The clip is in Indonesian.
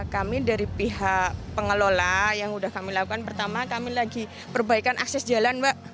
kami dari pihak pengelola yang sudah kami lakukan pertama kami lagi perbaikan akses jalan mbak